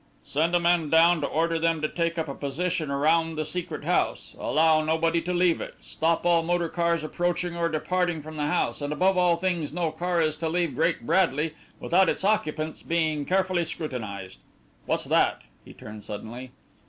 "Send a man down to order them to take up a position round the Secret House, allow nobody to leave it, stop all motor cars approaching or departing from the house, and above all things no car is to leave Great Bradley without its occupants being carefully scrutinized. What's that?" he turned suddenly.